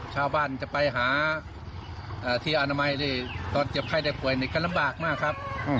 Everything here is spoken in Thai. ชาวบ้านจะไปหาที่อนามัยที่ตอนเจ็บไข้ได้ป่วยนี่ก็ลำบากมากครับ